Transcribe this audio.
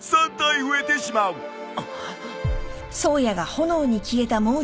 あっ。